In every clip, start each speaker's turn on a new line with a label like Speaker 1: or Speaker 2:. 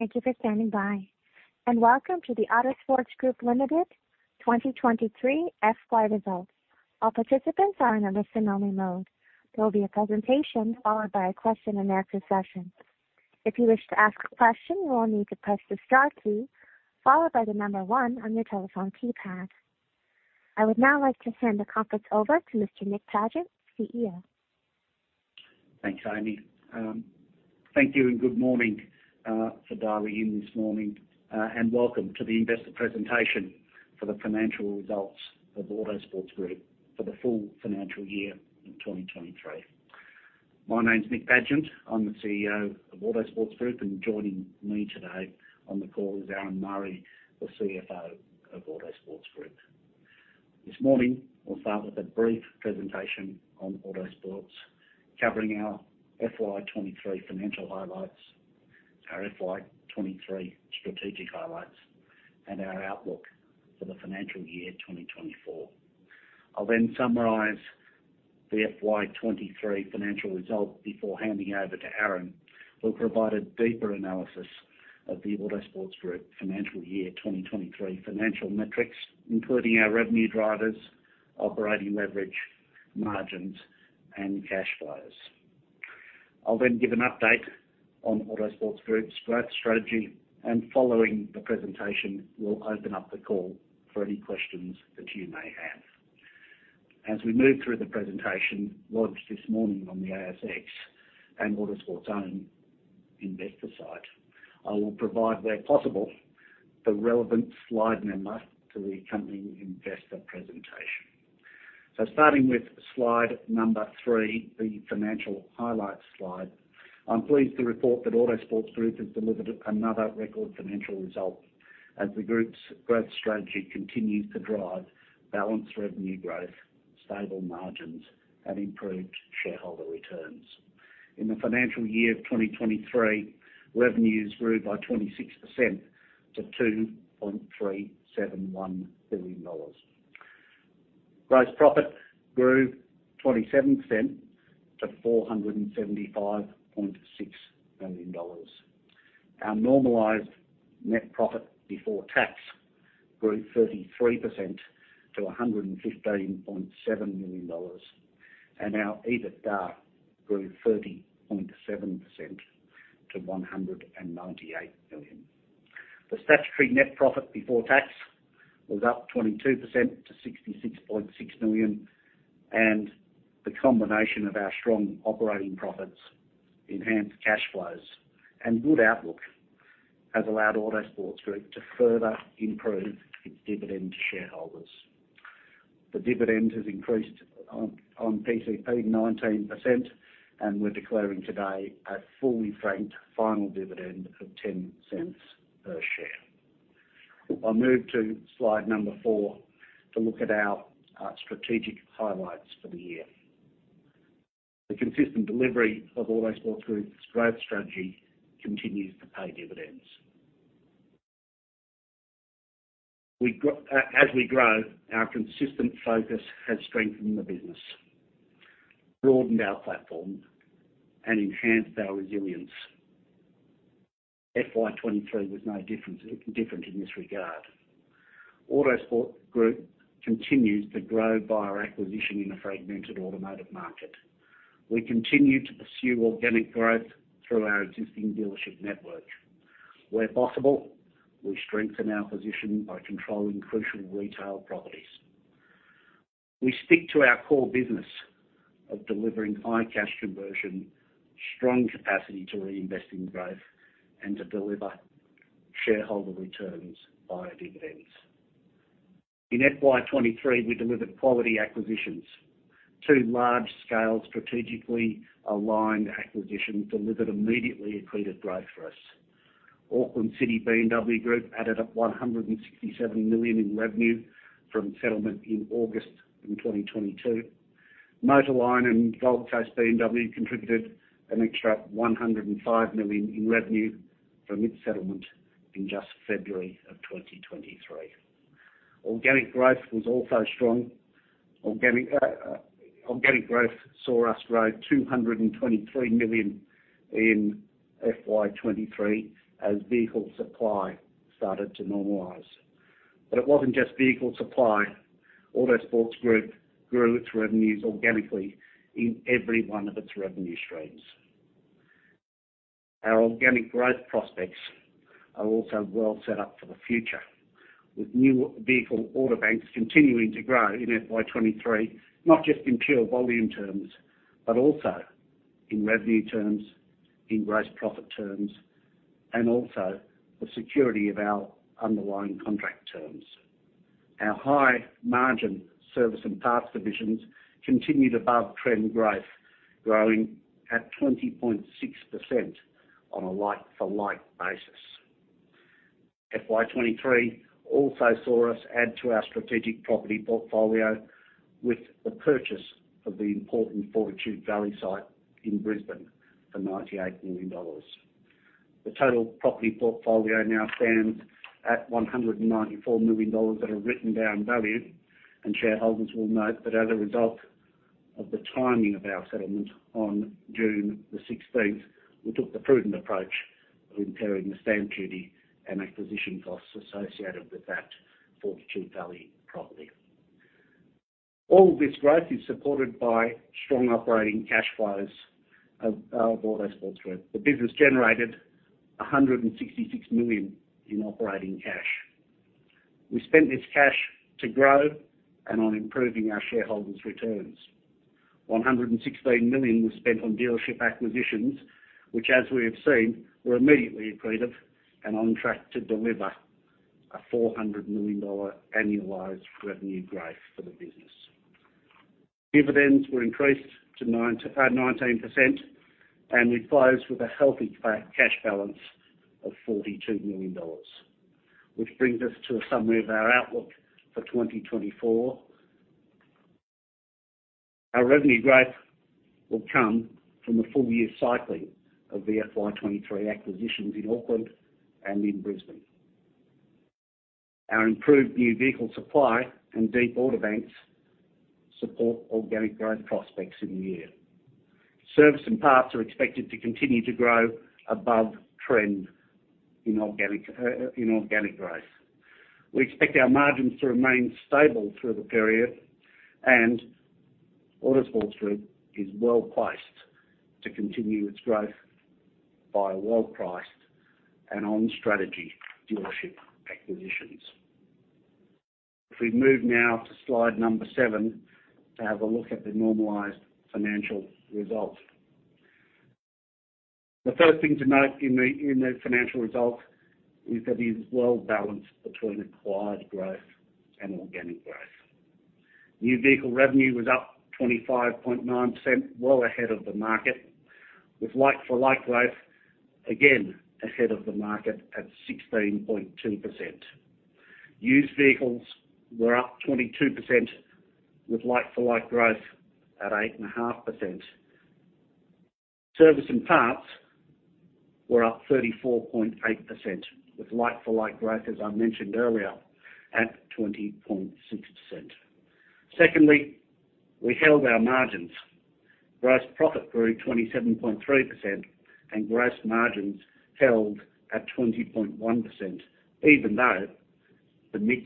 Speaker 1: Thank you for standing by. Welcome to the Autosports Group Limited 2023 FY Results. All participants are in a listen-only mode. There will be a presentation, followed by a question-and-answer session. If you wish to ask a question, you will need to press the star key, followed by the 1 on your telephone keypad. I would now like to hand the conference over to Mr. Nick Pagent; CEO.
Speaker 2: Thanks, Amy. Thank you, and good morning for dialing in this morning. Welcome to the Investor Presentation for the Financial Results of Autosports Group for the Full Financial Year in 2023. My name's Nick Pagent. I'm the CEO of Autosports Group, and joining me today on the call is Aaron Murray; CFO of Autosports Group. This morning, we'll start with a brief presentation on Autosports, covering our FY 23 financial highlights, our FY 23 strategic highlights, and our outlook for the financial year 2024. I'll summarize the FY 23 financial results before handing over to Aaron, who'll provide a deeper analysis of the Autosports Group financial year 2023 financial metrics, including our revenue drivers, operating leverage, margins, and cash flows. I'll then give an update on Autosports Group's Growth Strategy, and following the presentation, we'll open up the call for any questions that you may have. As we move through the presentation launched this morning on the ASX and Autosports Group's own investor site, I will provide, where possible, the relevant slide number to the accompanying investor presentation. Starting with slide three, the financial highlights slide. I'm pleased to report that Autosports Group has delivered another record financial result as the group's growth strategy continues to drive balanced revenue growth, stable margins, and improved shareholder returns. In the financial year of 2023, revenues grew by 26% to 2.371 billion dollars. Gross profit grew 27% to AUD 475.6 million. Our normalized net profit before tax grew 33% to 115.7 million dollars, and our EBITDA grew 30.7% to 198 million. The statutory net profit before tax was up 22% to 66.6 million, and the combination of our strong operating profits, enhanced cash flows, and good outlook has allowed Autosports Group to further improve its dividend to shareholders. The dividend has increased on, on PCP 19%, and we're declaring today a fully franked final dividend of 0.10 per share. I'll move to slide number four to look at our strategic highlights for the year. The consistent delivery of Autosports Group's growth strategy continues to pay dividends. We as we grow, our consistent focus has strengthened the business, broadened our platform, and enhanced our resilience. FY 2023 was no different in this regard. Autosports Group continues to grow by our acquisition in a fragmented automotive market. We continue to pursue organic growth through our existing dealership network. Where possible, we strengthen our position by controlling crucial retail properties. We stick to our core business of delivering high cash conversion, strong capacity to reinvest in growth, and to deliver shareholder returns via dividends. In FY 2023, we delivered quality acquisitions. Two large-scale, strategically aligned acquisitions delivered immediately accreted growth for us. Auckland City BMW Group added up 167 million in revenue from settlement in August 2022. Motorline and Gold Coast BMW contributed an extra 105 million in revenue from its settlement in just February 2023. Organic growth was also strong. Organic organic growth saw us grow $223 million in FY23 as vehicle supply started to normalize. It wasn't just vehicle supply. Autosports Group grew its revenues organically in every one of its revenue streams. Our organic growth prospects are also well set up for the future, with new vehicle order banks continuing to grow in FY23, not just in pure volume terms, but also in revenue terms, in gross profit terms, and also the security of our underlying contract terms. Our high margin service and parts divisions continued above-trend growth, growing at 20.6% on a like-for-like basis. FY23 also saw us add to our strategic property portfolio with the purchase of the important Fortitude Valley site in Brisbane for $98 million. The total property portfolio now stands at 194 million dollars at a written down value, and shareholders will note that as a result of the timing of our settlement on June 16th, we took the prudent approach of incurring the stamp duty and acquisition costs associated with that Fortitude Valley property. All this growth is supported by strong operating cash flows of Autosports Group. The business generated 166 million in operating cash. We spent this cash to grow and on improving our shareholders' returns. 116 million was spent on dealership acquisitions, which, as we have seen, were immediately accretive and on track to deliver a 400 million dollar annualized revenue growth for the business. Dividends were increased to 19%, and we closed with a healthy cash balance of 42 million dollars, which brings us to a summary of our outlook for 2024. Our revenue growth will come from the full year cycling of the FY 2023 acquisitions in Auckland and in Brisbane. Our improved new vehicle supply and deep order banks support organic growth prospects in the year. Service and parts are expected to continue to grow above trend in organic, in organic growth. We expect our margins to remain stable through the period, and Autosports Group is well-placed to continue its growth by well-priced and on-strategy dealership acquisitions. If we move now to slide seven, to have a look at the normalized financial results. The first thing to note in the financial results is that it is well balanced between acquired growth and organic growth. New vehicle revenue was up 25.9%, well ahead of the market, with like-for-like growth, again, ahead of the market at 16.2%. Used vehicles were up 22%, with like-for-like growth at 8.5%. Service and parts were up 34.8%, with like-for-like growth, as I mentioned earlier, at 20.6%. Secondly, we held our margins. Gross profit grew 27.3%, and gross margins held at 20.1%, even though the mix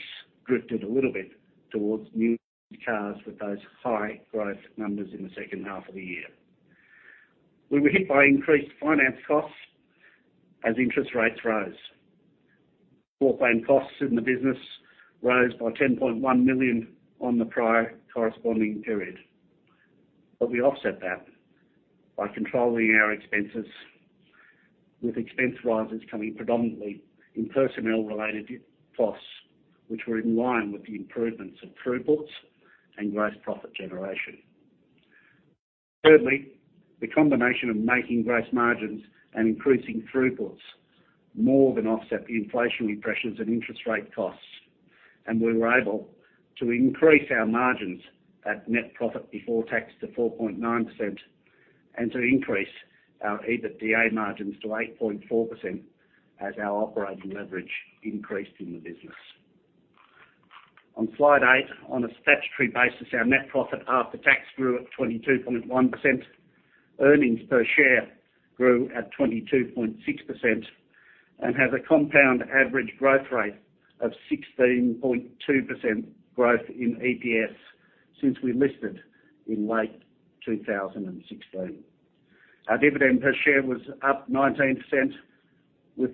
Speaker 2: drifted a little bit towards new cars with those high growth numbers in the second half of the year. We were hit by increased finance costs as interest rates rose. Walk-in costs in the business rose by 10.1 million on the prior corresponding period. We offset that by controlling our expenses, with expense rises coming predominantly in personnel-related costs, which were in line with the improvements in throughputs and gross profit generation. Thirdly, the combination of making gross margins and increasing throughputs more than offset the inflationary pressures and interest rate costs, and we were able to increase our margins at net profit before tax to 4.9%, and to increase our EBITDA margins to 8.4% as our operating leverage increased in the business. On slide eight, on a statutory basis, our net profit after tax grew at 22.1%. Earnings per share grew at 22.6% and has a compound average growth rate of 16.2% growth in EPS since we listed in late 2016. Our dividend per share was up 19%, with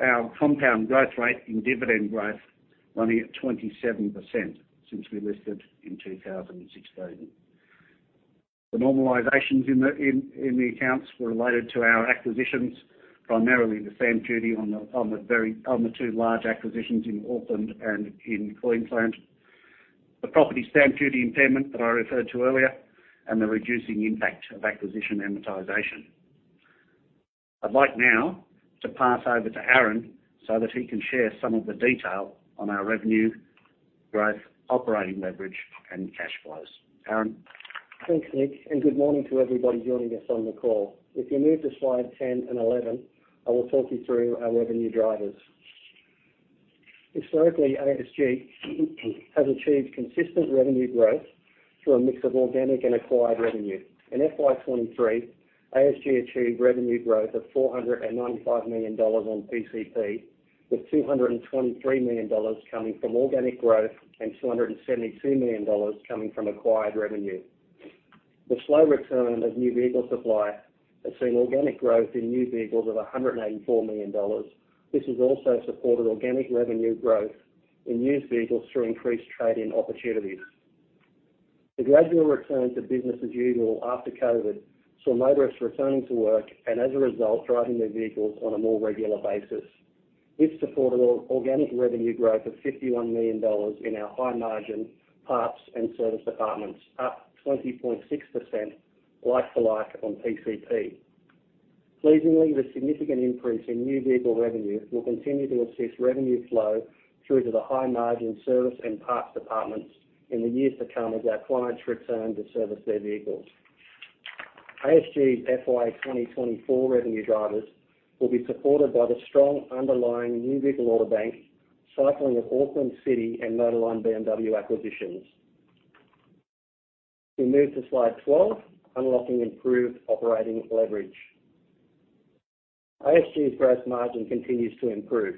Speaker 2: our compound growth rate in dividend growth running at 27% since we listed in 2016. The normalizations in the accounts were related to our acquisitions, primarily the stamp duty on thetwo large acquisitions in Auckland and in Queensland. The property stamp duty impairment that I referred to earlier, and the reducing impact of acquisition amortization. I'd like now to pass over to Aaron, so that he can share some of the detail on our revenue growth, operating leverage, and cash flows. Aaron?
Speaker 3: Thanks, Nick. Good morning to everybody joining us on the call. If you move to slide 10 and 11, I will talk you through our revenue drivers. Historically, ASG has achieved consistent revenue growth through a mix of organic and acquired revenue. In FY 2023, ASG achieved revenue growth of 495 million dollars on PCP, with 223 million dollars coming from organic growth and 272 million dollars coming from acquired revenue. The slow return of new vehicle supply has seen organic growth in new vehicles of 184 million dollars. This has also supported organic revenue growth in used vehicles through increased trade-in opportunities. The gradual return to business as usual after COVID saw motorists returning to work, and as a result, driving their vehicles on a more regular basis. This supported organic revenue growth of 51 million dollars in our high-margin parts and service departments, up 20.6% like-for-like on PCP. Pleasingly, the significant increase in new vehicle revenue will continue to assist revenue flow through to the high-margin service and parts departments in the years to come, as our clients return to service their vehicles. ASG's FY 2024 revenue drivers will be supported by the strong underlying new vehicle order bank, cycling of Auckland City and Motorline BMW acquisitions. We move to Slide 12, unlocking improved operating leverage. ASG's gross margin continues to improve.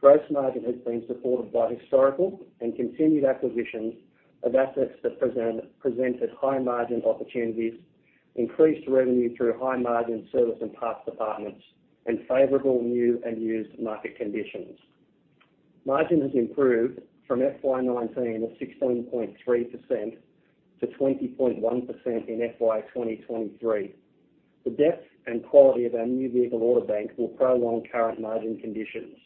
Speaker 3: Gross margin has been supported by historical and continued acquisitions of assets that presented high margin opportunities, increased revenue through high margin service and parts departments, and favorable new and used market conditions. Margin has improved from FY 2019 of 16.3% to 20.1% in FY 2023. The depth and quality of our new vehicle order bank will prolong current margin conditions.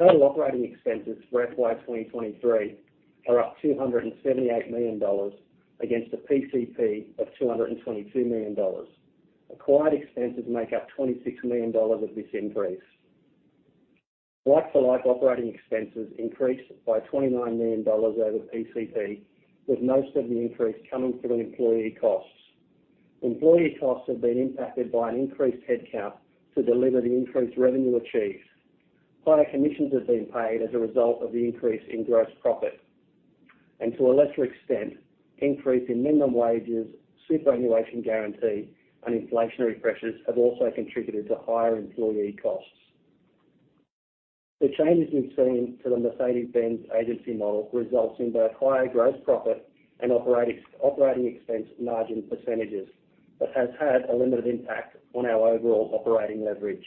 Speaker 3: Total operating expenses for FY 2023 are up 278 million dollars against a PCP of 222 million dollars. Acquired expenses make up 26 million dollars of this increase. Like-for-like operating expenses increased by 29 million dollars over PCP, with most of the increase coming from employee costs. Employee costs have been impacted by an increased headcount to deliver the increased revenue achieved. Higher commissions have been paid as a result of the increase in gross profit, and to a lesser extent, increase in minimum wages, Superannuation Guarantee, and inflationary pressures have also contributed to higher employee costs. The changes we've seen to the Mercedes-Benz agency model results in both higher gross profit and operating expense margin percentage, has had a limited impact on our overall operating leverage.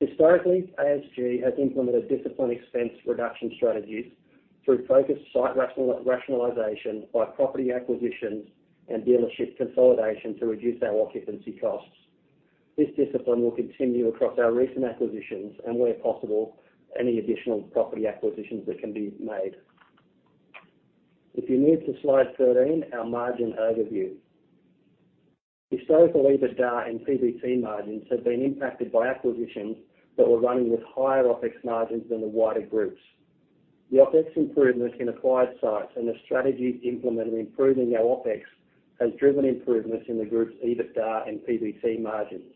Speaker 3: Historically, ASG has implemented disciplined expense reduction strategies through focused site rationalization, by property acquisitions, and dealership consolidation to reduce our occupancy costs. This discipline will continue across our recent acquisitions, and where possible, any additional property acquisitions that can be made. If you move to Slide 13, our margin overview. Historical EBITDA and PBT margins have been impacted by acquisitions that were running with higher OpEx margins than the wider groups. The OpEx improvements in acquired sites and the strategies implemented in improving our OpEx, has driven improvements in the group's EBITDA and PBT margins.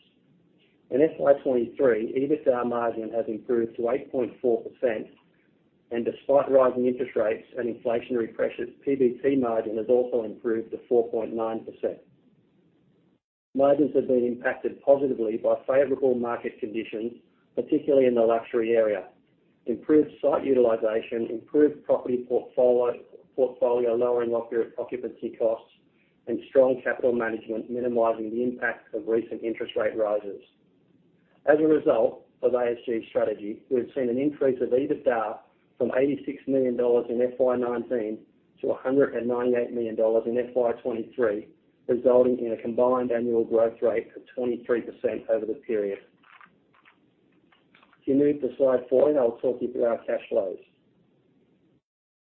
Speaker 3: In FY 2023, EBITDA margin has improved to 8.4%. Despite rising interest rates and inflationary pressures, PBT margin has also improved to 4.9%. Margins have been impacted positively by favorable market conditions, particularly in the luxury area. Improved site utilization, improved property portfolio, lowering occupancy costs, and strong capital management, minimizing the impact of recent interest rate rises. As a result of ASG's strategy, we have seen an increase of EBITDA from 86 million dollars in FY 2019 to 198 million dollars in FY 2023, resulting in a combined annual growth rate of 23% over the period. If you move to Slide 14, I'll talk you through our cash flows.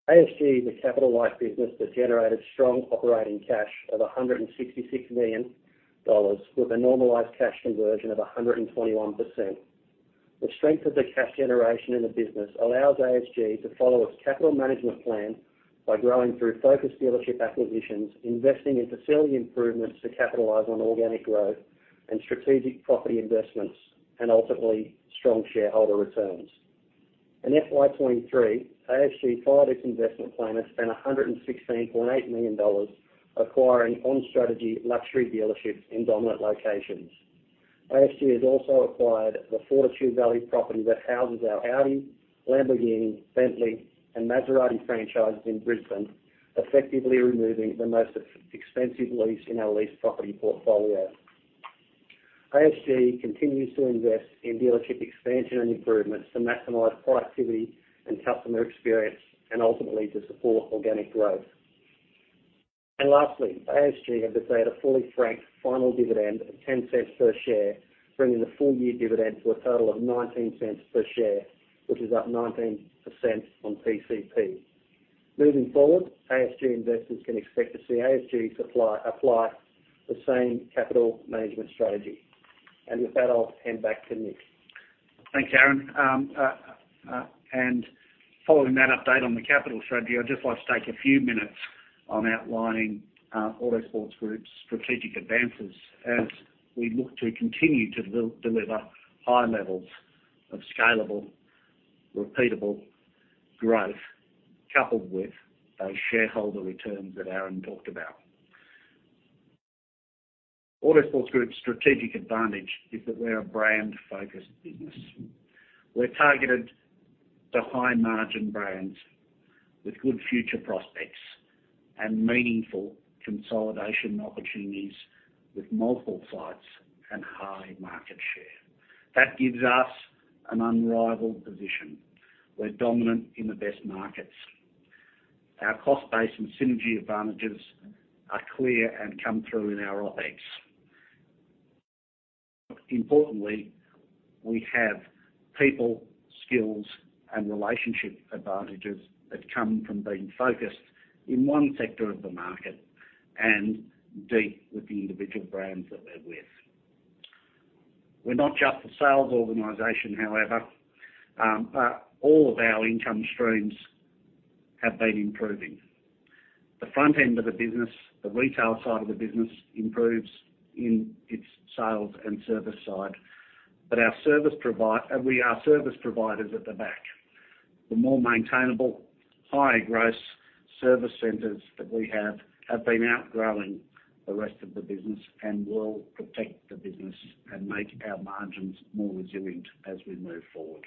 Speaker 3: ASG is a capital light business that generated strong operating cash of 166 million dollars, with a normalized cash conversion of 121%. The strength of the cash generation in the business allows ASG to follow its capital management plan by growing through focused dealership acquisitions, investing in facility improvements to capitalize on organic growth and strategic property investments, ultimately, strong shareholder returns. In FY 2023, ASG followed its investment plan and spent 116.8 million dollars acquiring on-strategy luxury dealerships in dominant locations. ASG has also acquired the Fortitude Valley property that houses our Audi, Lamborghini, Bentley, and Maserati franchises in Brisbane, effectively removing the most expensive lease in our leased property portfolio. ASG continues to invest in dealership expansion and improvements to maximize productivity and customer experience, ultimately to support organic growth. Lastly, ASG has declared a fully franked final dividend of 0.10 per share, bringing the full year dividend to a total of 0.19 per share, which is up 19% on PCP. Moving forward, ASG investors can expect to see ASG apply the same capital management strategy. With that, I'll hand back to Nick.
Speaker 2: Thanks, Aaron. Following that update on the capital strategy, I'd just like to take a few minutes on outlining Autosports Group's strategic advances as we look to continue to deliver high levels of scalable, repeatable growth, coupled with those shareholder returns that Aaron talked about. Autosports Group's strategic advantage is that we're a brand-focused business. We're targeted to high-margin brands with good future prospects and meaningful consolidation opportunities with multiple sites and high market share. That gives us an unrivaled position. We're dominant in the best markets. Our cost base and synergy advantages are clear and come through in our OpEx. Importantly, we have people, skills, and relationship advantages that come from being focused in one sector of the market and deep with the individual brands that we're with. We're not just a sales organization, however, but all of our income streams have been improving. The front end of the business, the retail side of the business, improves in its sales and service side, but our service providers at the back. The more maintainable, higher gross service centers that we have, have been outgrowing the rest of the business, and will protect the business and make our margins more resilient as we move forward.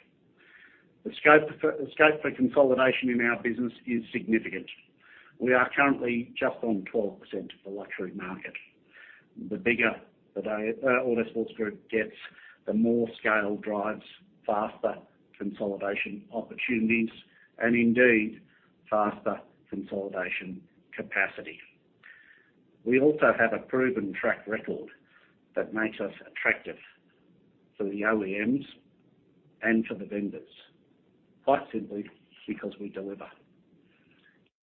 Speaker 2: The scope for, the scope for consolidation in our business is significant. We are currently just on 12% of the luxury market. The bigger the day, Autosports Group gets, the more scale drives faster consolidation opportunities, and indeed, faster consolidation capacity. We also have a proven track record that makes us attractive to the OEMs and to the vendors, quite simply because we deliver.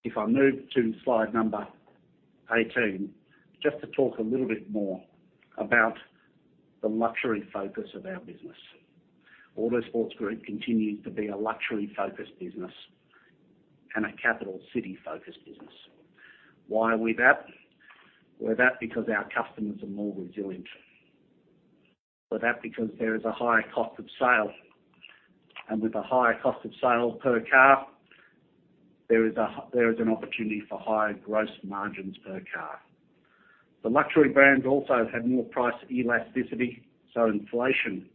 Speaker 2: If I move to slide number 18, just to talk a little bit more about the luxury focus of our business. Autosports Group continues to be a luxury-focused business and a capital city-focused business. Why are we that? We're that because our customers are more resilient. We're that because there is a higher cost of sale, and with a higher cost of sale per car, there is an opportunity for higher gross margins per car. The luxury brands also have more price elasticity, so inflation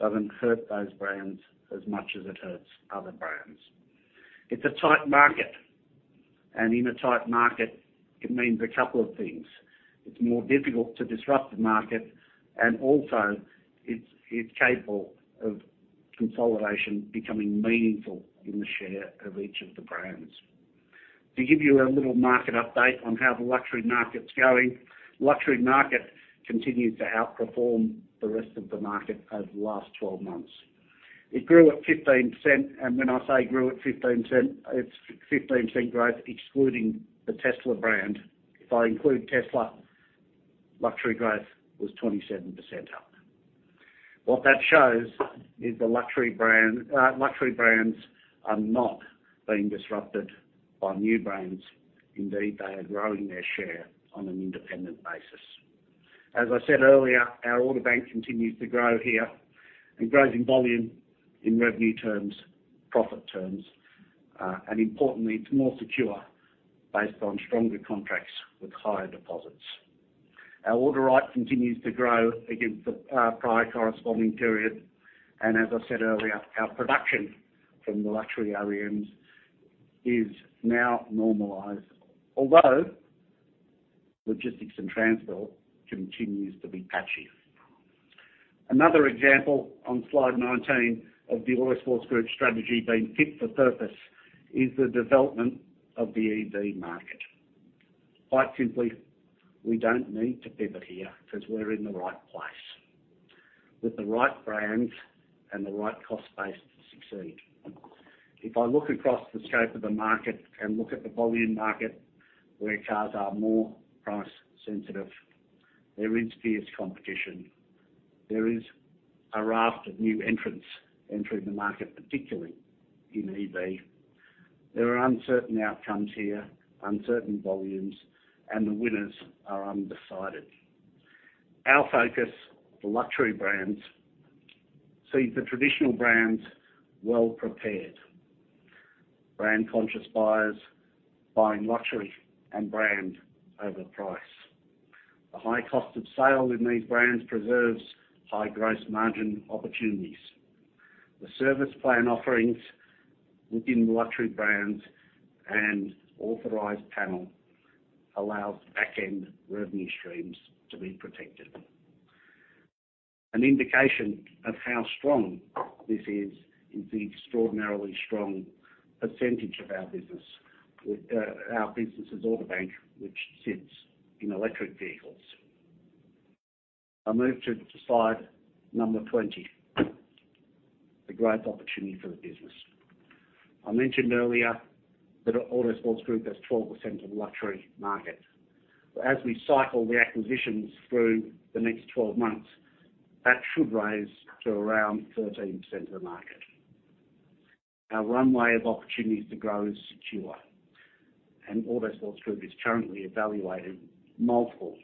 Speaker 2: doesn't hurt those brands as much as it hurts other brands. It's a tight market, and in a tight market, it means a couple of things. It's more difficult to disrupt the market, and also it's, it's capable of consolidation becoming meaningful in the share of each of the brands. To give you a little market update on how the luxury market's going, luxury market continues to outperform the rest of the market over the last 12 months. It grew at 15%, and when I say grew at 15%, it's 15% growth, excluding the Tesla brand. If I include Tesla, luxury growth was 27% up. What that shows is the luxury brand, luxury brands are not being disrupted by new brands. Indeed, they are growing their share on an independent basis. As I said earlier, our order bank continues to grow here, and grows in volume, in revenue terms, profit terms, and importantly, it's more secure based on stronger contracts with higher deposits. Our order rate continues to grow against the prior corresponding period, and as I said earlier, our production from the luxury OEMs is now normalized, although logistics and transport continues to be patchy. Another example on slide 19 of the Autosports Group strategy being fit for purpose is the development of the EV market. Quite simply, we don't need to pivot here, 'cause we're in the right place with the right brands and the right cost base to succeed. If I look across the scope of the market and look at the volume market, where cars are more price sensitive, there is fierce competition. There is a raft of new entrants entering the market, particularly in EV. There are uncertain outcomes here, uncertain volumes, and the winners are undecided. Our focus, the luxury brands, sees the traditional brands well-prepared. Brand-conscious buyers buying luxury and brand over price. The high cost of sale in these brands preserves high gross margin opportunities. The service plan offerings within the luxury brands and authorized panel allows back-end revenue streams to be protected. An indication of how strong this is, is the extraordinarily strong percentage of our business with our business' order bank, which sits in electric vehicles. I'll move to slide number 20, the growth opportunity for the business. I mentioned earlier that Autosports Group has 12% of the luxury market, but as we cycle the acquisitions through the next 12 months, that should rise to around 13% of the market. Our runway of opportunities to grow is secure, and Autosports Group is currently evaluating multiple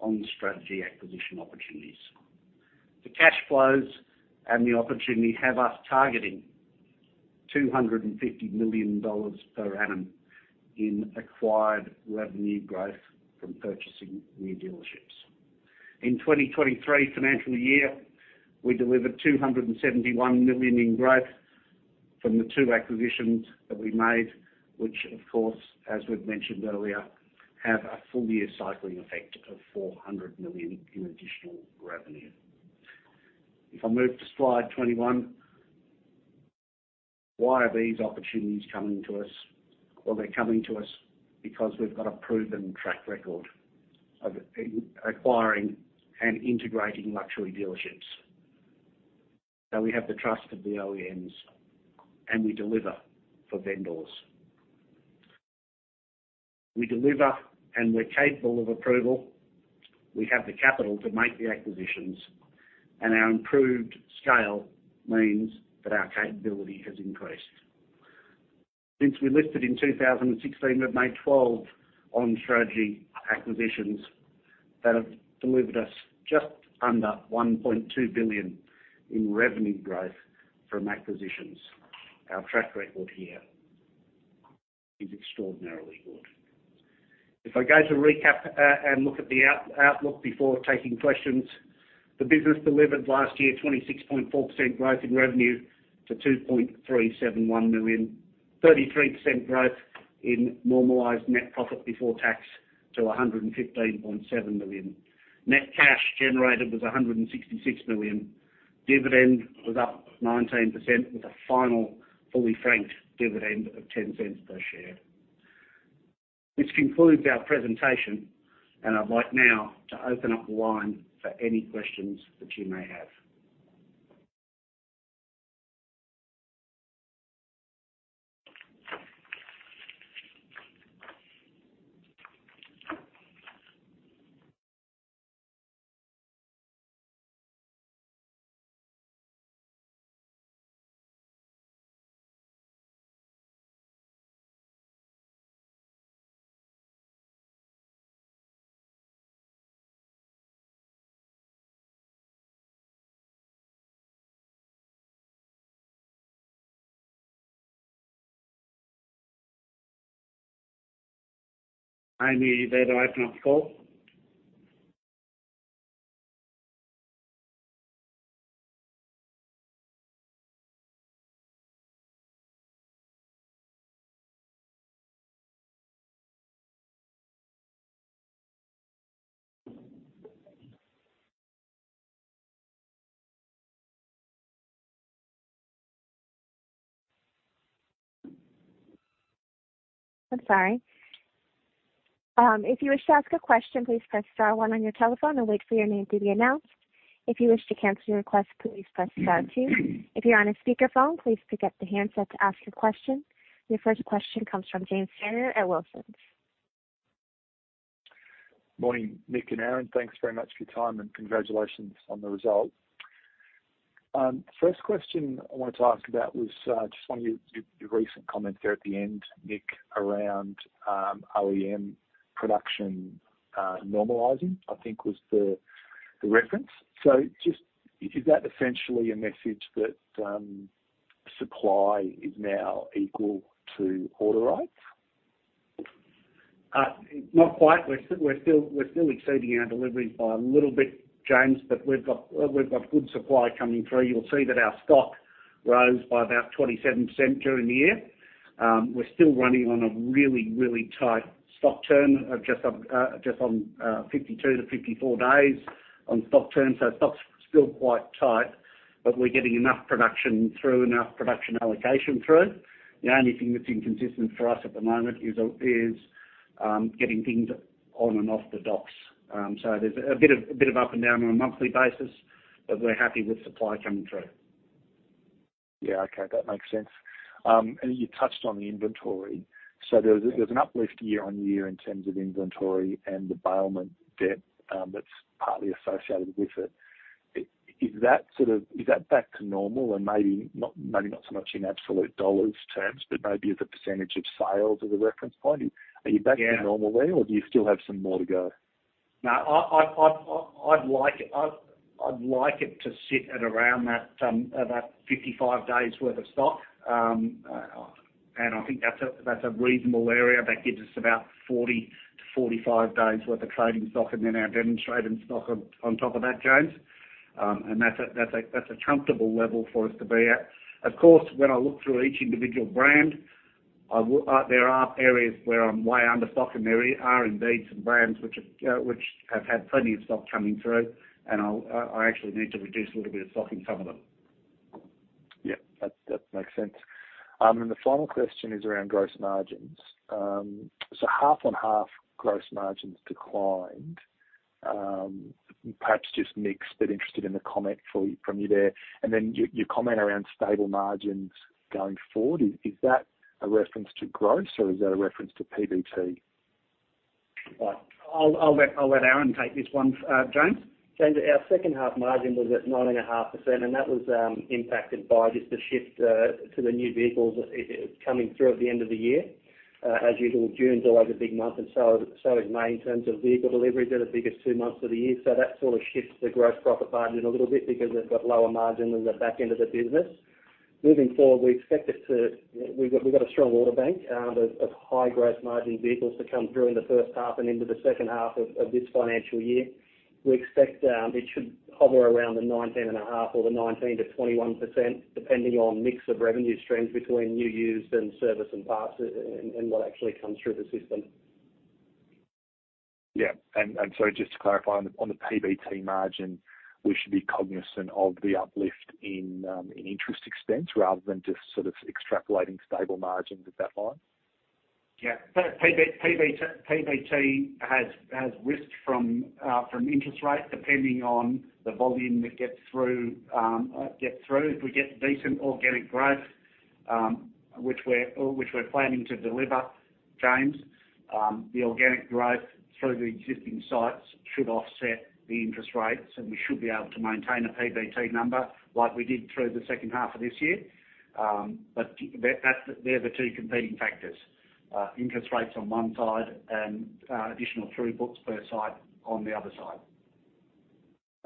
Speaker 2: on-strategy acquisition opportunities. The cash flows and the opportunity have us targeting 250 million dollars per annum in acquired revenue growth from purchasing new dealerships. In 2023 financial year, we delivered 271 million in growth from the two acquisitions that we made, which of course, as we've mentioned earlier, have a full year cycling effect of 400 million in additional revenue. If I move to slide 21, why are these opportunities coming to us? Well, they're coming to us because we've got a proven track record of acquiring and integrating luxury dealerships. We have the trust of the OEMs, and we deliver for vendors. We deliver and we're capable of approval. We have the capital to make the acquisitions, and our improved scale means that our capability has increased. Since we listed in 2016, we've made 12 on-strategy acquisitions that have delivered us just under 1.2 billion in revenue growth from acquisitions. Our track record here is extraordinarily good. If I go to recap, and look at the outlook before taking questions, the business delivered last year, 26.4% growth in revenue to 2.371 million. 33% growth in normalized net profit before tax to 115.7 million. Net cash generated was 166 million. Dividend was up 19%, with a final fully franked dividend of 0.10 per share. This concludes our presentation, and I'd like now to open up the line for any questions that you may have. Amy, they are open up for call.
Speaker 1: I'm sorry. If you wish to ask a question, please press star one on your telephone and wait for your name to be announced. If you wish to cancel your request, please press star two. If you're on a speakerphone, please pick up the handset to ask your question. Your first question comes from James Ferrier at Wilsons.
Speaker 4: Morning, Nick and Aaron. Thanks very much for your time, and congratulations on the result. First question I wanted to ask about was, just on your recent comments there at the end, Nick, around OEM production normalizing, I think was the reference. Is that essentially a message that supply is now equal to order rates?
Speaker 2: Not quite. We're still, we're still exceeding our deliveries by a little bit, James, but we've got, we've got good supply coming through. You'll see that our stock rose by about 27% during the year. We're still running on a really, really tight stock turn of just, just on 52-54 days on stock turn, so stock's still quite tight, but we're getting enough production through, enough production allocation through. The only thing that's inconsistent for us at the moment is getting things on and off the docks. There's a bit of, a bit of up and down on a monthly basis, but we're happy with supply coming through.
Speaker 4: Yeah, okay, that makes sense. You touched on the inventory. There's, there's an uplift year-on-year in terms of inventory and the bailment debt, that's partly associated with it. Is that back to normal? Maybe not, maybe not so much in absolute dollars terms, but maybe as a % of sales as a reference point. Are you back to normal there, or do you still have some more to go?
Speaker 2: No I'd like it, I'd like it to sit at around that, about 55 days' worth of stock. I think that's a, that's a reasonable area. That gives us about 40 to 45 days' worth of trading stock and then our demonstrating stock on, on top of that, James. That's a, that's a, that's a comfortable level for us to be at. Of course, when I look through each individual brand, there are areas where I'm way under stock, and there are indeed some brands which have had plenty of stock coming through, and I actually need to reduce a little bit of stock in some of them.
Speaker 4: Yeah, that, that makes sense. The final question is around gross margins. Half on half, gross margins declined. Perhaps just mix, but interested in the comment from you, from you there. Then your, your comment around stable margins going forward, is, is that a reference to growth, or is that a reference to PBT?
Speaker 2: Right. I'll, let, I'll let Aaron take this one, James.
Speaker 3: James, our second half margin was at 9.5%, that was impacted by just the shift to the new vehicles coming through at the end of the year. As usual, June's always a big month, so, so is May in terms of vehicle deliveries. They're the biggest two months of the year. That sort of shifts the gross profit margin a little bit because they've got lower margin than the back end of the business. Moving forward, we expect it to... We've got, we've got a strong order bank of high gross margin vehicles to come through in the first half and into the second half of this financial year. We expect, it should hover around the 19.5% or the 19%-21%, depending on mix of revenue streams between new, used and service and parts and, and what actually comes through the system.
Speaker 4: Yeah. And so just to clarify on the, on the PBT margin, we should be cognizant of the uplift in interest expense rather than just sort of extrapolating stable margins at that line?
Speaker 2: PBT, has, has risked from interest rates, depending on the volume that gets through, gets through. If we get decent organic growth, which we're planning to deliver. James, the organic growth through the existing sites should offset the interest rates, and we should be able to maintain a PBT number like we did through the second half of this year. They're the two competing factors, interest rates on one side and additional three books per site on the other side.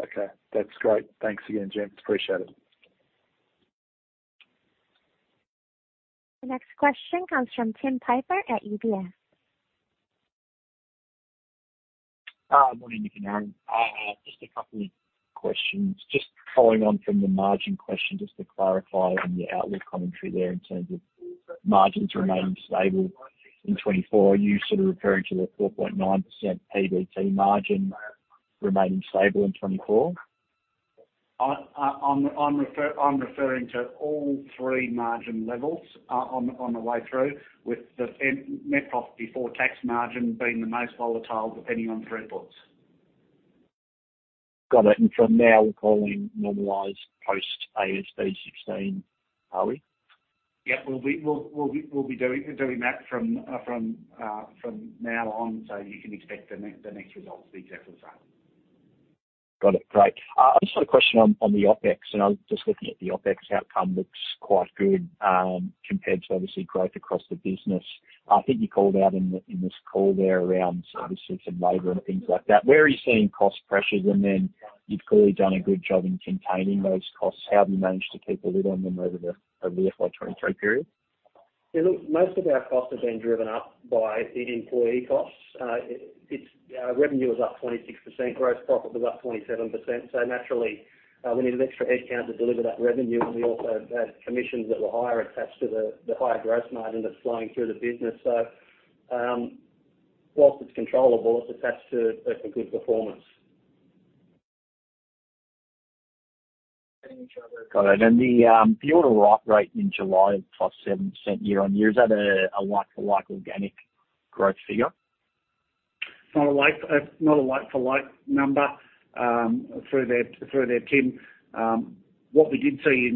Speaker 4: Okay, that's great. Thanks again, James. Appreciate it.
Speaker 1: The next question comes from Tim Usasz at UBS.
Speaker 5: Good morning, Nick and Aaron. Just a couple of questions. Just following on from the margin question, just to clarify on the outlook commentary there in terms of margins remaining stable in 2024, are you sort of referring to the 4.9% PBT margin remaining stable in 2024?
Speaker 2: I'm referring to all three margin levels, on the way through, with the net, Profit Before Tax margin being the most volatile, depending on throughbooks.
Speaker 5: Got it. From now, we're calling normalized post AASB 16, are we?
Speaker 2: Yep, we'll be doing that from now on, so you can expect the next results to be exactly the same.
Speaker 5: Got it. Great. I just had a question on, on the OpEx, and I was just looking at the OpEx outcome. Looks quite good, compared to obviously growth across the business. I think you called out in this call there around obviously some labor and things like that. Where are you seeing cost pressures, and then you've clearly done a good job in containing those costs. How have you managed to keep a lid on them over the, over the FY 23 period?
Speaker 2: Yeah, look, most of our costs have been driven up by the employee costs. It's revenue was up 26%, gross profit was up 27%, so naturally, we needed extra headcount to deliver that revenue. We also had commissions that were higher attached to the, the higher gross margin that's flowing through the business. Whilst it's controllable, it's attached to a good performance.
Speaker 5: Got it, the view on order write rate in July of +7% year-on-year, is that a like-for-like organic growth figure?
Speaker 2: It's not a like-for-like number, fair there, Tim. What we did see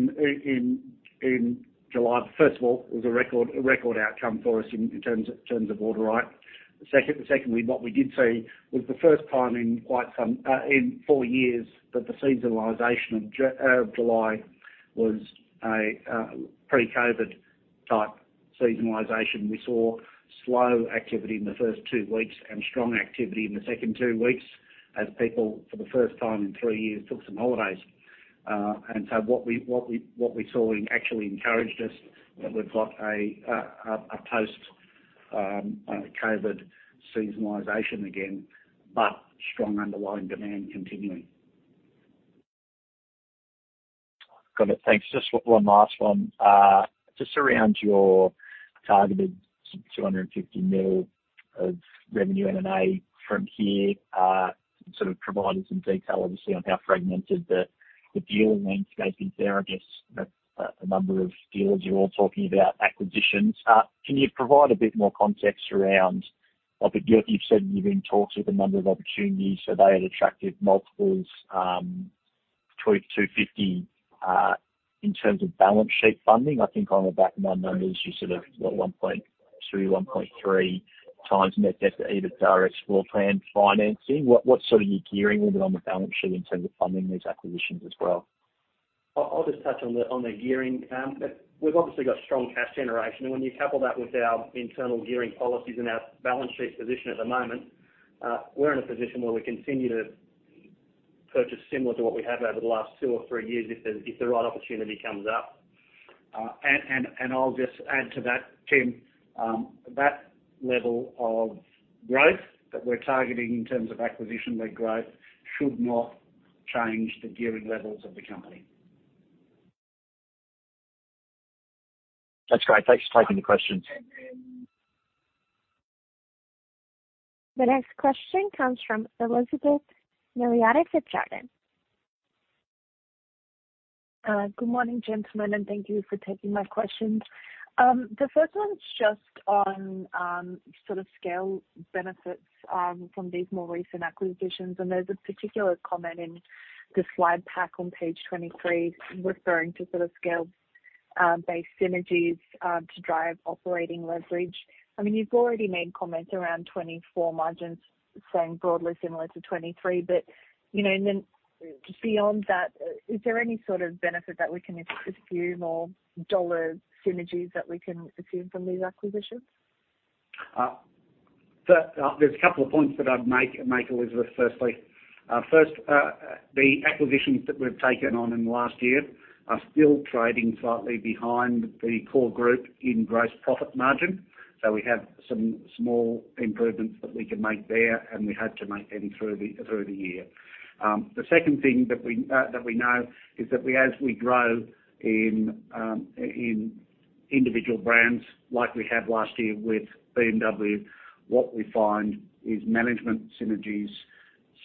Speaker 2: in July, first of all, was a record, a record outcome for us in terms of, order, right? Secondly, what we did see was the first time in quite some, in four years, that the seasonalization of July was a pre-COVID type seasonalization. We saw slow activity in the first two weeks and strong activity in the second two weeks as people, for the first time in three years, took some holidays. So what we saw actually encouraged us that we've got a post-COVID seasonalization again, but strong underlying demand continuing.
Speaker 5: Got it. Thanks. Just one last one. Just around your targeted 250 million of revenue M&A from here, sort of provided some detail, obviously, on how fragmented the, the dealer landscape is there. I guess that's a, a number of dealers, you're all talking about acquisitions. Can you provide a bit more context around? I think you've said you're in talks with a number of opportunities, so they had attractive multiples, between 250. In terms of balance sheet funding, I think on the back of my numbers, you sort of got 1.2-1.3x net debt to EBITDA explore plan financing. What, what sort of are you gearing with it on the balance sheet in terms of funding these acquisitions as well?
Speaker 2: I, I'll just touch on the, on the gearing. We've obviously got strong cash generation, and when you couple that with our internal gearing policies and our balance sheet position at the moment, we're in a position where we continue to purchase similar to what we have over the last two or three years if the, if the right opportunity comes up. I'll just add to that, Tim, that level of growth that we're targeting in terms of acquisition lead growth should not change the gearing levels of the company.
Speaker 5: That's great. Thanks for taking the questions.
Speaker 1: The next question comes from Elizabeth Elder at Jefferies.
Speaker 6: Good morning, gentlemen, thank you for taking my questions. The first one is just on sort of scale benefits from these more recent acquisitions, there's a particular comment in the slide pack on page 23, referring to sort of scale based synergies to drive operating leverage. I mean, you've already made comments around 24 margins, saying broadly similar to 23, you know, then beyond that, is there any sort of benefit that we can assume or dollar synergies that we can assume from these acquisitions?
Speaker 2: There's a couple of points that I'd make, make, Elizabeth first, the acquisitions that we've taken on in the last year are still trading slightly behind the core group in gross profit margin. We have some small improvements that we can make there, and we hope to make them through the, through the year. The second thing that we that we know is that we as we grow in individual brands like we have last year with BMW, what we find is management synergies,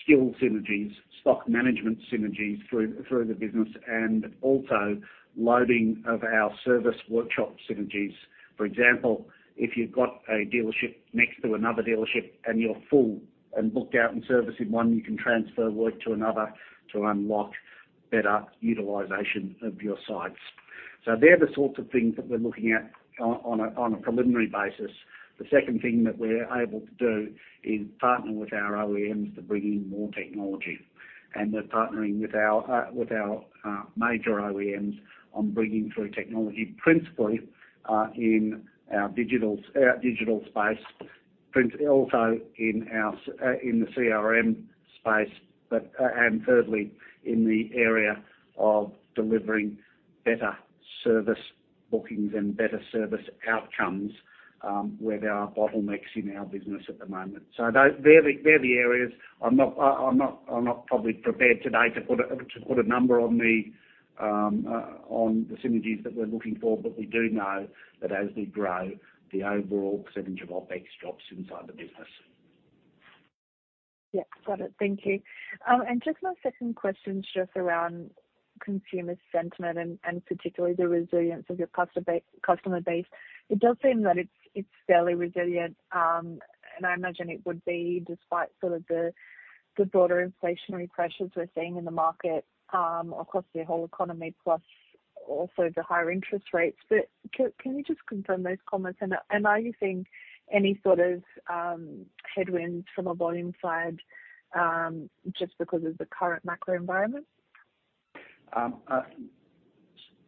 Speaker 2: skill synergies, stock management synergies through, through the business, and also loading of our service workshop synergies. For example, if you've got a dealership next to another dealership, and you're full and booked out in servicing one, you can transfer work to another to unlock better utilization of your sites.... They're the sorts of things that we're looking on a, on a preliminary basis. The second thing that we're able to do is partner with our OEMs to bring in more technology. We're partnering with our major OEMs on bringing through technology, principally in our digital space, principally also in our CRM space, thirdly, in the area of delivering better service bookings and better service outcomes, where there are bottlenecks in our business at the moment. Those, they're the areas. I'm not, I'm not probably prepared today to put a number on the synergies that we're looking for, but we do know that as we grow, the overall percentage of OpEx drops inside the business.
Speaker 6: Yeah, got it. Thank you. Just my second question, just around consumer sentiment and, particularly the resilience of your customer base. It does seem that it's, it's fairly resilient, and I imagine it would be, despite sort of the, the broader inflationary pressures we're seeing in the market, across the whole economy, plus also the higher interest rates. Can you just confirm those comments? Are you seeing any sort of headwinds from a volume side, just because of the current macro environment?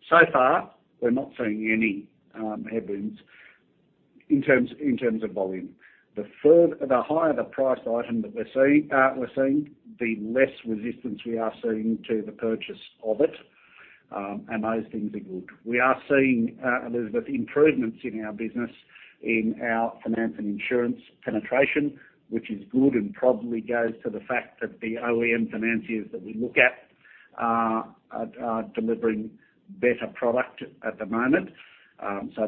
Speaker 2: So far, we're not seeing any headwinds in terms, in terms of volume. The higher the price item that we're seeing, the less resistance we are seeing to the purchase of it. Those things are good. We are seeing, there's improvements in our business, in our Finance and Insurance penetration, which is good and probably goes to the fact that the OEM financiers that we look at, are delivering better product at the moment.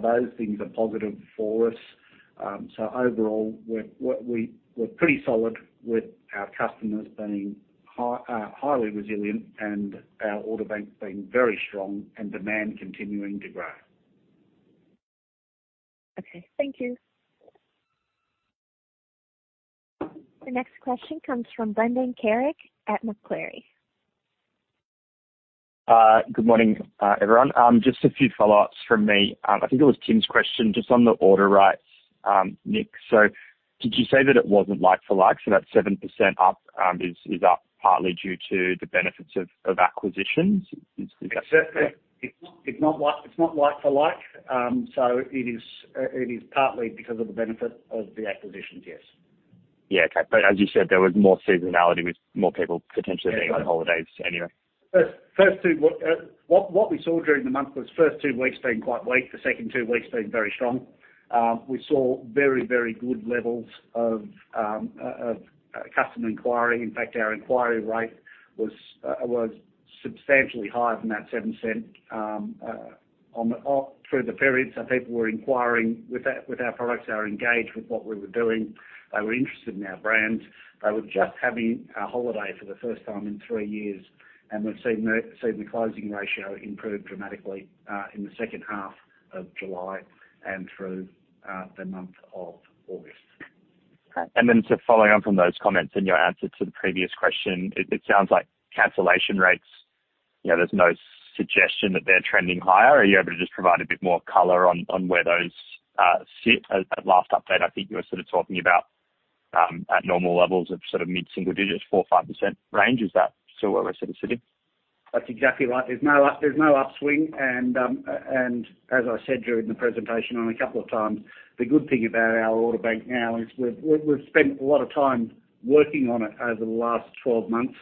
Speaker 2: Those things are positive for us. Overall, we're, what we're pretty solid with our customers being high, highly resilient and our order bank being very strong and demand continuing to grow.
Speaker 6: Okay, thank you.
Speaker 1: The next question comes from Brendan Carrig at Macquarie.
Speaker 7: Good morning, everyone. Just a few follow-ups from me. I think it was Tim's question, just on the order rights, Nick. Did you say that it wasn't like for like, so that 7% up, is, is that partly due to the benefits of, of acquisitions? Is that?
Speaker 2: It's, it's not like, for like, so it is, it is partly because of the benefit of the acquisitions, yes.
Speaker 7: Yeah, okay. As you said, there was more seasonality with more people potentially-
Speaker 2: Yeah...
Speaker 7: being on holidays anyway.
Speaker 2: First, first two, what, what we saw during the month was first two weeks being quite weak, the second two weeks being very strong. We saw very, good levels of customer inquiry. In fact, our inquiry rate was substantially higher than that 7% through the period. People were inquiring with that, with our products, are engaged with what we were doing. They were interested in our brands. They were just having a holiday for the first time in three years, we've seen the, seen the closing ratio improve dramatically in the second half of July and through the month of August.
Speaker 7: Following on from those comments and your answer to the previous question, it, it sounds like cancellation rates, you know, there's no suggestion that they're trending higher. Are you able to just provide a bit more color on, on where those sit? At, at last update, I think you were sort of talking about, at normal levels of sort of mid-single digits, 4-5% range. Is that still where we're sitting?
Speaker 2: That's exactly right. There's no up, there's no upswing. As I said during the presentation on a couple of times, the good thing about our order bank now is we've, spent a lot of time working on it over the last 12 months,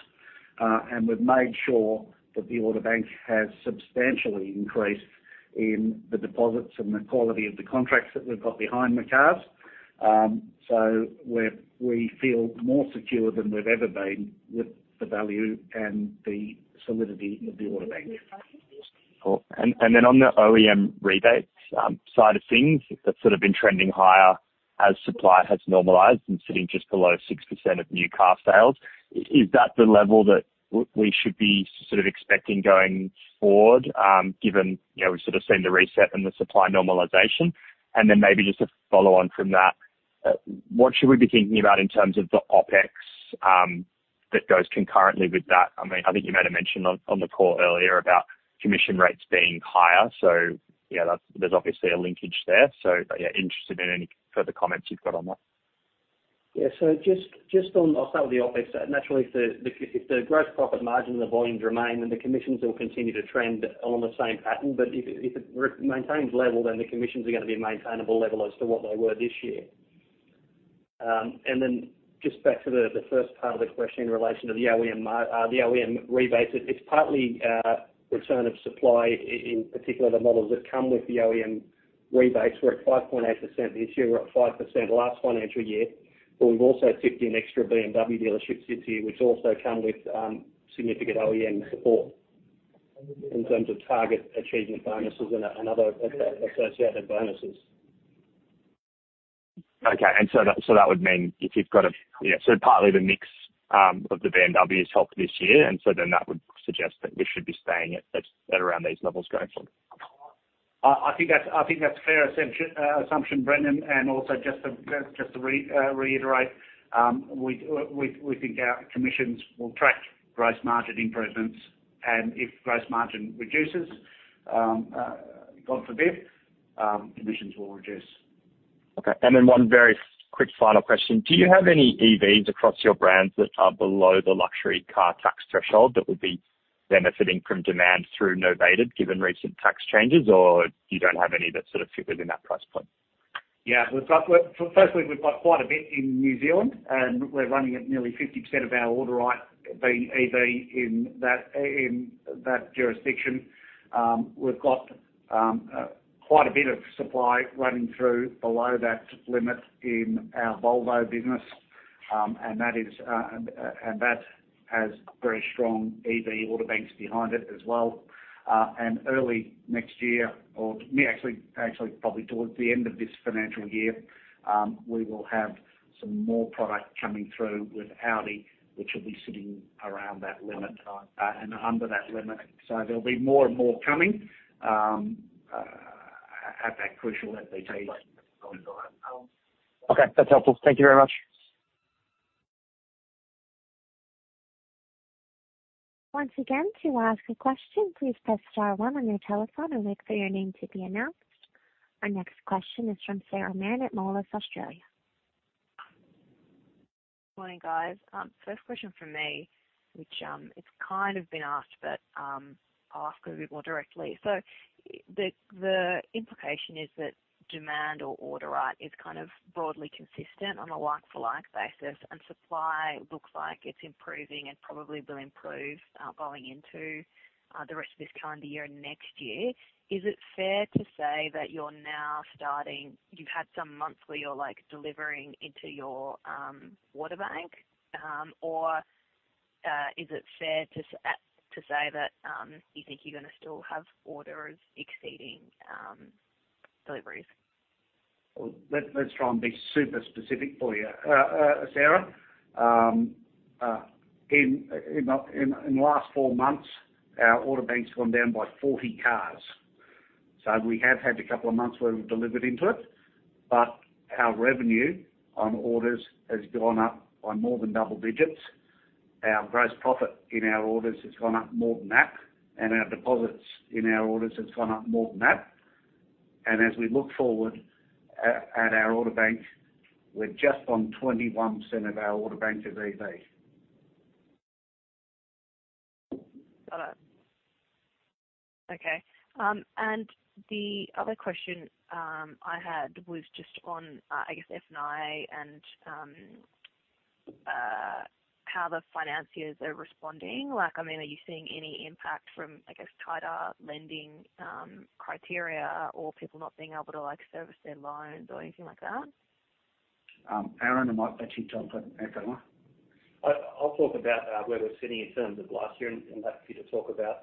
Speaker 2: and we've made sure that the order bank has substantially increased in the deposits and the quality of the contracts that we've got behind the cars. So we feel more secure than we've ever been with the value and the solidity of the order bank.
Speaker 7: Cool. Then on the OEM rebates side of things, that's sort of been trending higher as supply has normalized and sitting just below 6% of new car sales. Is that the level that we should be sort of expecting going forward, given, you know, we've sort of seen the reset and the supply normalization? Then maybe just a follow-on from that, what should we be thinking about in terms of the OpEx that goes concurrently with that? I mean, I think you made a mention on the call earlier about commission rates being higher. Yeah, there's obviously a linkage there. Yeah, interested in any further comments you've got on that.
Speaker 2: I'll start with the OpEx. Naturally, if the gross profit margin and the volumes remain, then the commissions will continue to trend on the same pattern. If it maintains level, then the commissions are gonna be a maintainable level as to what they were this year. Then just back to the first part of the question in relation to the OEM rebates, it's partly return of supply, in particular, the models that come with the OEM rebates were at 5.8% this year, were at 5% last financial year. We've also slipped in an extra BMW dealership this year, which also come with significant OEM support in terms of target achievement bonuses and other associated bonuses.
Speaker 7: Okay. That, that would mean if you've got a, you know, so partly the mix, of the BMWs helped this year, and so then that would suggest that we should be staying at, at, at around these levels going forward?
Speaker 2: I think that's a fair assumption, assumption, Brendan. Also just to reiterate, we, think our commissions will track gross margin improvements, and if gross margin reduces, God forbid, commissions will reduce.
Speaker 7: Okay. Then 1 very quick final question: Do you have any EVs across your brands that are below the Luxury Car Tax threshold that would be benefiting from demand through novated, given recent tax changes, or you don't have any that sort of fit within that price point?
Speaker 2: Yeah, well, first we've got quite a bit in New Zealand, and we're running at nearly 50% of our order, right, being EV in that, in that jurisdiction. We've got quite a bit of supply running through below that limit in our Volvo business. That is, and, and that has very strong EV order banks behind it as well. Early next year, or actually, actually probably towards the end of this financial year, we will have some more product coming through with Audi, which will be sitting around that limit, and under that limit. There'll be more and more coming at that crucial LCT.
Speaker 7: Okay, that's helpful. Thank you very much.
Speaker 1: Once again, to ask a question, please press star one on your telephone and wait for your name to be announced. Our next question is from Sarah Mann at Moelis, Australia.
Speaker 8: Morning, guys. First question from me, which, it's kind of been asked, but, I'll ask a bit more directly. The implication is that demand or order, right, is kind of broadly consistent on a like-for-like basis, and supply looks like it's improving and probably will improve going into the rest of this calendar year and next year. Is it fair to say that you're now starting-- you've had some months where you're like, delivering into your order bank? Is it fair to say that, you think you're gonna still have orders exceeding deliveries?
Speaker 2: Well, let's try and be super specific for you, Sarah. In the last four months, our order bank's gone down by 40 cars, we have had a couple of months where we've delivered into it, but our revenue on orders has gone up by more than double digits. Our gross profit in our orders has gone up more than that, and our deposits in our orders has gone up more than that. As we look forward at our order bank, we're just on 21% of our order bank as EV.
Speaker 8: Got it. Okay, the other question I had was just on, I guess, F&I and how the financiers are responding. Like, I mean, are you seeing any impact from, I guess, tighter lending criteria or people not being able to, like, service their loans or anything like that?
Speaker 2: Aaron, I might let you talk about that one.
Speaker 3: I'll talk about where we're sitting in terms of last year, and happy to talk about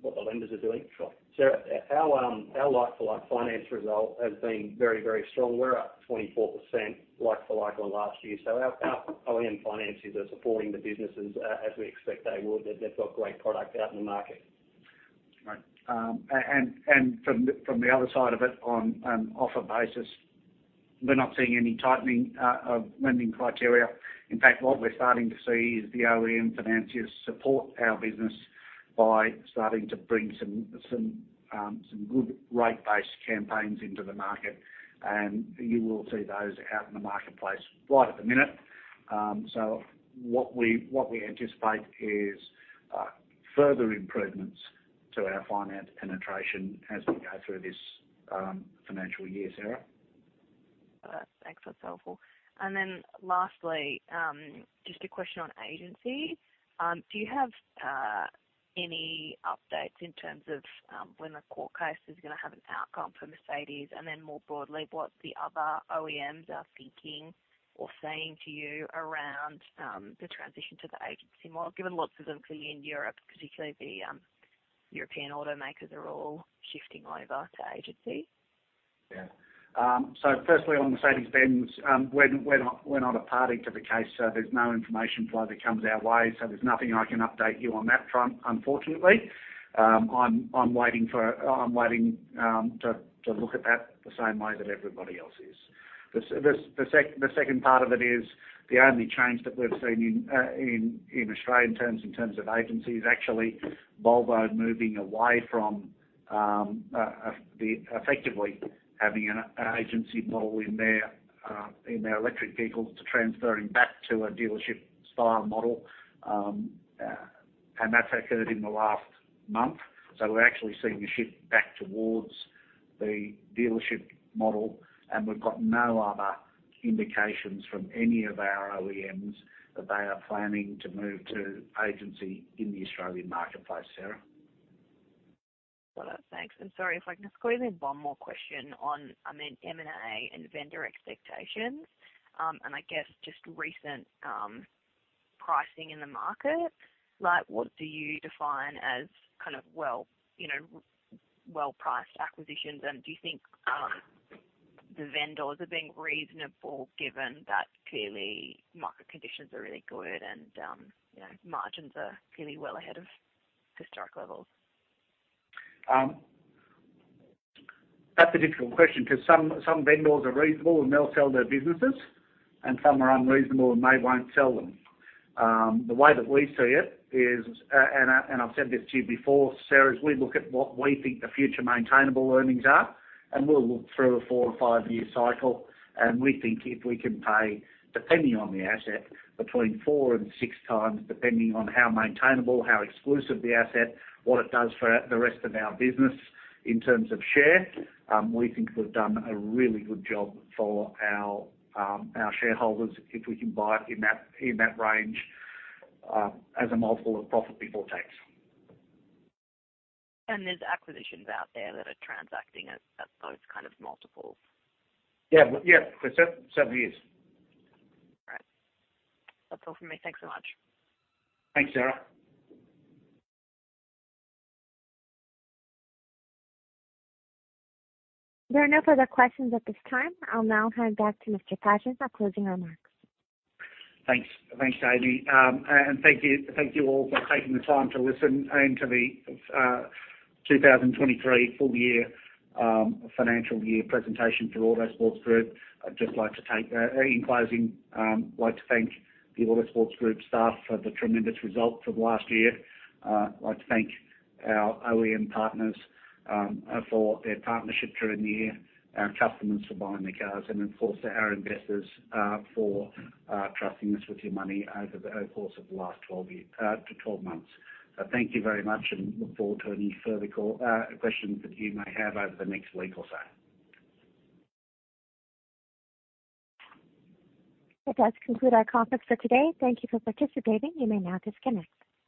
Speaker 3: what the lenders are doing.
Speaker 2: Sure.
Speaker 3: Sarah, our, our like-for-like finance result has been very, very strong. We're up 24% like for like on last year. Our, our OEM financiers are supporting the businesses as we expect they would. They've got great product out in the market.
Speaker 2: Right. From the other side of it, on an offer basis, we're not seeing any tightening of lending criteria. In fact, what we're starting to see is the OEM financiers support our business by starting to bring some, some good rate-based campaigns into the market, and you will see those out in the marketplace right at the minute. What we, what we anticipate is further improvements to our finance penetration as we go through this financial year, Sarah.
Speaker 8: Got it. Thanks, that's helpful. Lastly, just a question on agency. Do you have any updates in terms of when the court case is gonna have an outcome for Mercedes? More broadly, what the other OEMs are thinking or saying to you around the transition to the agency, more given lots of them for you in Europe, particularly the European automakers, are all shifting over to agency.
Speaker 2: Yeah. Firstly on Mercedes-Benz, we're, we're not, we're not a party to the case, so there's no information flow that comes our way, so there's nothing I can update you on that front, unfortunately. I'm waiting to look at that the same way that everybody else is. The second part of it is, the only change that we've seen in Australian terms, in terms of agency, is actually Volvo moving away from the effectively having an agency model in their electric vehicles to transferring back to a dealership-style model. That's occurred in the last month. We're actually seeing a shift back towards the dealership model, and we've got no other indications from any of our OEMs that they are planning to move to agency in the Australian marketplace, Sarah.
Speaker 8: Got it. Thanks, and sorry if I can just squeeze in one more question on, I mean, M&A and vendor expectations, and I guess just recent, pricing in the market. Like, what do you define as kind of, well, you know, well-priced acquisitions, and do you think the vendors are being reasonable, given that clearly market conditions are really good and, you know, margins are fairly well ahead of historic levels?
Speaker 2: That's a difficult question, 'cause some, some vendors are reasonable, and they'll sell their businesses, and some are unreasonable, and they won't sell them. The way that we see it is, and I, and I've said this to you before, Sarah, is we look at what we think the future maintainable earnings are, and we'll look through a four -or five-year cycle. We think if we can pay, depending on the asset, between four and six times, depending on how maintainable, how exclusive the asset, what it does for the rest of our business in terms of share, we think we've done a really good job for our shareholders if we can buy it in that, in that range, as a multiple of profit before tax.
Speaker 8: There's acquisitions out there that are transacting at, at those kind of multiples?
Speaker 2: Yeah, for several years.
Speaker 8: All right. That's all for me. Thanks so much.
Speaker 2: Thanks, Sarah.
Speaker 1: There are no further questions at this time. I'll now hand back to Mr. Panget for closing remarks.
Speaker 2: Thanks. Amy. Thank you, thank you all for taking the time to listen in to the 2023 full year financial year presentation for Autosports Group. I'd just like to take, in closing, like to thank the Autosports Group staff for the tremendous result for the last year. I'd like to thank our OEM partners, for their partnership during the year, our customers for buying the cars, and of course, our investors, for trusting us with your money over the course of the last 12 year to 12 months. Thank you very much and look forward to any further call, questions that you may have over the next week or so.
Speaker 1: That does conclude our conference for today. Thank You for participating. You may now disconnect.